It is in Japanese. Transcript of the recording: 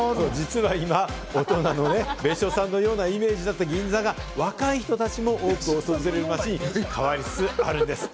別所さんのような大人のイメージだった銀座が若い人たちも多く訪れる街に変わりつつあるんです。